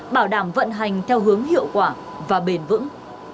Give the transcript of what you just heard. bảo đảm vận hành theo hướng hiệu quả và bền vững